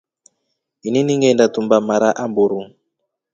Ini ninginetumba mara amburu.